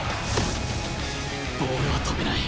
ボールは止めない！